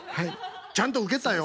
ちゃんとウケたよ。